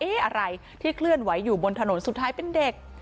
อะไรที่เคลื่อนไหวอยู่บนถนนสุดท้ายเป็นเด็ก